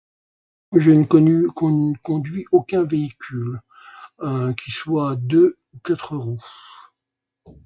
J'en ai connu [pas clair] qui n'ont conduit aucun véhicule, qui soit deux ou quatre roues.